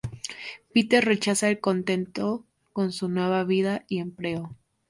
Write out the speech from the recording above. Peter rechaza, contento con su nueva vida y empleo.